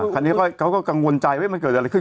คันนี้เขาก็กังวลใจเผื่อจะเกิดอะไรขึ้น